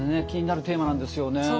気になるテーマなんですよね。